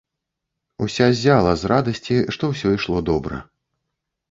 Уся ззяла з радасці, што ўсё ішло добра.